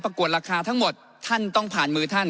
กวดราคาทั้งหมดท่านต้องผ่านมือท่าน